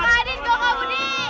kok kak adit kok kak budi